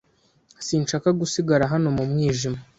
Sinshaka gusigara hano mu mwijima.